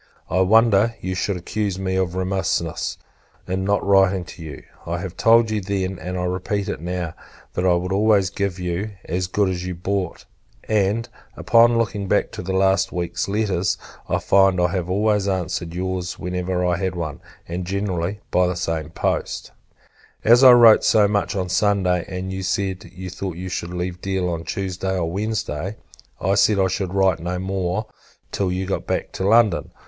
I wonder you should accuse me of remissness, in not writing to you. I told you then, and I repeat it now, that I would always give you "as good as you brought:" and, upon looking back to the last week's letters, I find I have always answered your's, whenever I had one; and, generally, by the same post. As I wrote so much on Sunday, and you said you thought you should leave Deal on Tuesday or Wednesday, I said I should write no more till you got back to London.